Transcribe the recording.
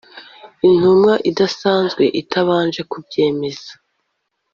intumwa idasanzwe itabanje kubyemeza